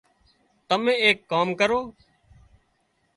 تمين ايڪ ڪام ڪرو